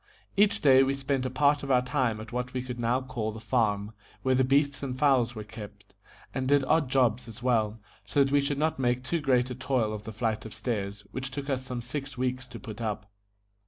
Each day we spent a part of our time at what we could now call the farm, where the beasts and fowls were kept, and did odd jobs as well, so that we should not make too great a toil of the flight of stairs, which took us some six weeks to put up.